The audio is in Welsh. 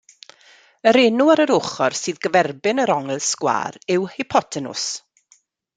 Yr enw ar yr ochr sydd gyferbyn yr ongl sgwâr yw hypotenws.